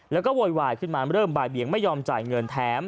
แล้วก็โวยวายขึ้นมาเริ่มบ่ายเบียงไม่ยอมจ่ายเงินแถม